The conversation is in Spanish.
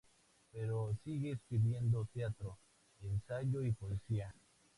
Pero sigue escribiendo teatro, ensayo y poesía.